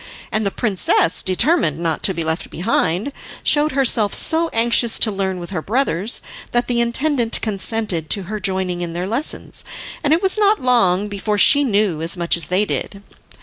And the princess, determined not to be left behind, showed herself so anxious to learn with her brothers, that the intendant consented to her joining in their lessons, and it was not long before she knew as much as they did.